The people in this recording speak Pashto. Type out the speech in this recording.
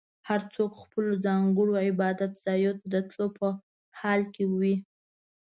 هر څوک خپلو ځانګړو عبادت ځایونو ته د تلو په حال کې وي.